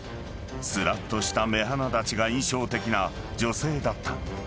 ［すらっとした目鼻立ちが印象的な女性だった］